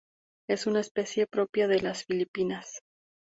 Es una especie propia de las Filipinas.